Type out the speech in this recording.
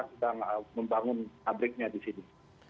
sedang membangun pabriknya di sini